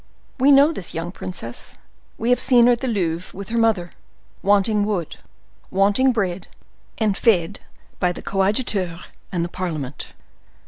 We know this young princess, we have seen her at the Louvre with her mother, wanting wood, wanting bread, and fed by the coadjuteur and the parliament.